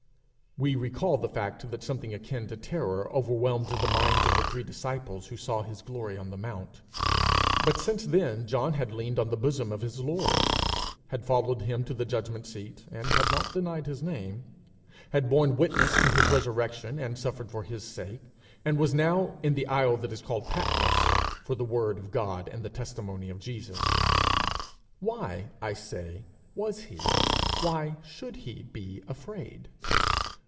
We recall the fact that something akin to terror overwhelmed the minds of the three disciples who saw his glory on the mount; but since then John had leaned on the bosom of his Lord, had followed him to the judgment seat and had not denied his name, had borne witness to his resurrection and suffered for his sake and was now 'in the isle that is called Patmos, for the word of God and the testimony of Jesus:' why, I say, was he, why should he be afraid?